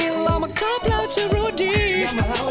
สวัสดีค่ะสวัสดีครับ